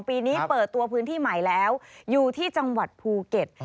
ปีนี้เปิดตัวพื้นที่ใหม่แล้วอยู่ที่จังหวัดภูเก็ต